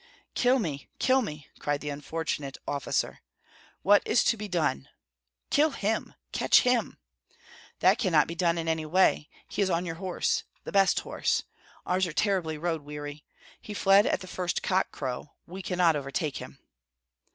"Kill me, kill me!" cried the unfortunate officer. "What is to be done?" "Kill him, catch him!" "That cannot be done in any way. He is on your horse, the best horse; ours are terribly road weary. He fled at the first cock crow; we cannot overtake him."